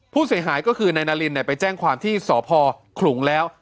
ผู้เสียหายก็คือในนารินเนี่ยไปแจ้งความที่สอบภอคลุงแล้ว